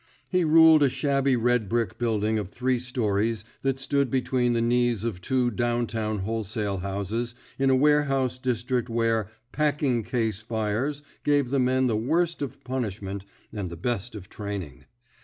He ruled a shabby red brick building of three stories that stood between the knees of two down town wholesale houses in a warehouse district where packing case fires *' gave the men the worst of punish ment '* and the best of training.